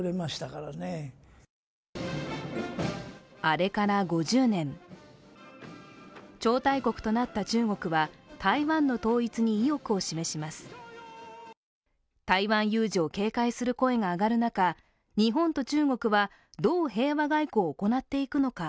あれから５０年超大国となった中国は台湾の統一に意欲を示します台湾有事を警戒する声が上がる中日本と中国はどう平和外交を行っていくのか